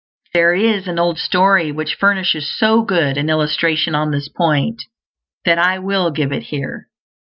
There is an old story which furnishes so good an illustration on this point that I will give it here.